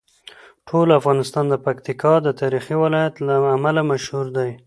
ټول افغانستان د پکتیکا د تاریخي ولایت له امله مشهور دی.